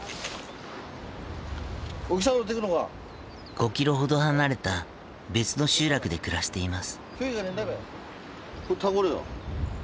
５キロほど離れた別の集落で暮らしています。